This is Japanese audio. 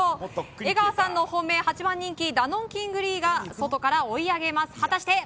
江川さんは８番人気ダノンキングリーが外から追い上げます。